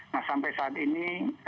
nah sampai saat ini